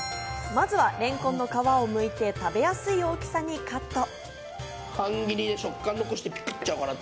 まずはれんこんの皮をむいて、食べやすい大きさにカット。